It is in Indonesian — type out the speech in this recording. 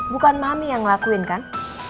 bukan mami yang ngelakuin kan